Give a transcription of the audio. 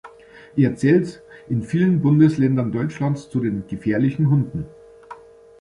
Er zählt in vielen Bundesländern Deutschlands zu den "gefährlichen Hunden".